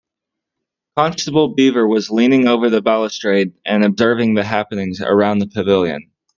Constable Beaver was leaning over the balustrade and observing the happenings around the pavilion.